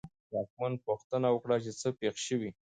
واکمن پوښتنه وکړه چې څه پېښ شوي.